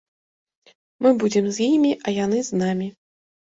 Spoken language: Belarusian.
Мы будзем з імі, а яны з намі.